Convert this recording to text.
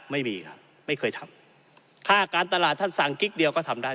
ไม่มีครับไม่เคยทำค่าการตลาดท่านสั่งกิ๊กเดียวก็ทำได้